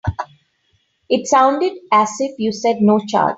It sounded as if you said no charge.